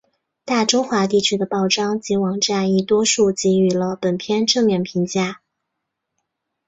大中华地区的报章及网站亦多数给予了本片正面评价。